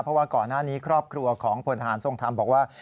เพราะว่าก่อนหน้านี้ครอบครัวของพลทหารทรงธรรมบอกว่า